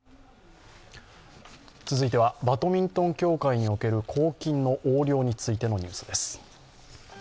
続いては、バドミントン協会における公金の横領についてのニュースです。